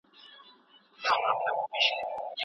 ګوره چي څه یې دي میندلي په حجره کي مُلا